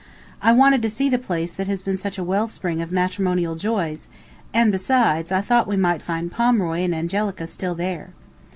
I wanted to see the place that has been such a well spring of matrimonial joys, and besides, I thought we might find Pomeroy and Angelica still there.